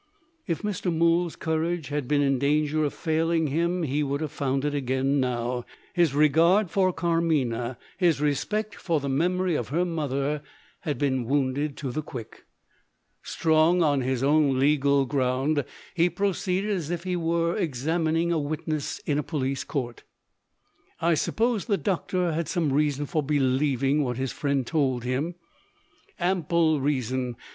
If Mr. Mool's courage had been in danger of failing him, he would have found it again now His regard for Carmina, his respect for the memory of her mother, had been wounded to the quick. Strong on his own legal ground, he proceeded as if he was examining a witness in a police court. "I suppose the doctor had some reason for believing what his friend told him?" "Ample reason!